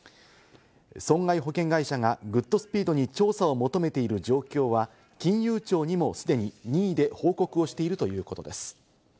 損害保険会社がグッドスピードに調査を求めている状況は金融庁にも既に任意で報告をしているということです。